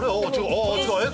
ああ違うえっ？